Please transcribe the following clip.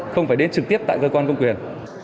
không phải đến trực tiếp tại cơ quan công quyền